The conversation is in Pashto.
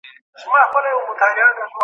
هغه مبارزه چې